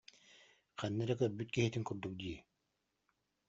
Ханна эрэ көрбүт киһитин курдук дии